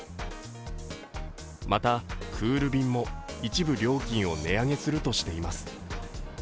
また、クール便も一部料金を値上げするとしています。